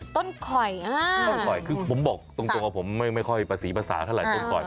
ต้นข่อยคือผมบอกตรงว่าผมไม่ค่อยศีลภาษาเท่าไหร่ต้นข่อย